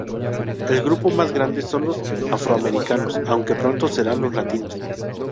El grupo más grande son los afroamericanos, aunque pronto serán los latinos.